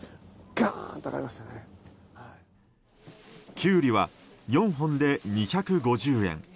キュウリは４本で２５０円。